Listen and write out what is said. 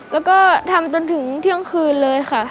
แล้วก็ทำจนถึงเที่ยงคืนเลยค่ะ